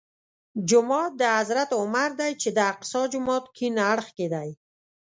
جومات د حضرت عمر دی چې د اقصی جومات کیڼ اړخ کې دی.